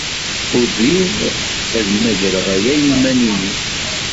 Ur riɣ ad mmagreɣ aya i yiman-inu.